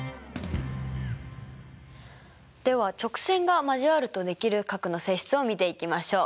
では直線が交わるとできる角の性質を見ていきましょう。